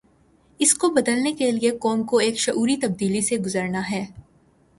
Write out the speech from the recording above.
اس کو بدلنے کے لیے قوم کو ایک شعوری تبدیلی سے گزرنا ہے۔